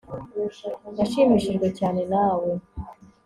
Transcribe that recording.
Nashimishijwe cyane nawe